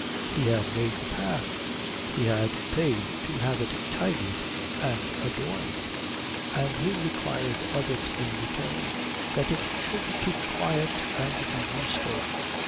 He had made the path; he had paid to have it tidied and adorned; and he required of it in return that it should keep quiet and be useful.